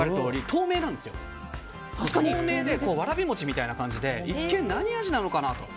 透明でわらび餅みたいな感じで一見、何味なのかなと。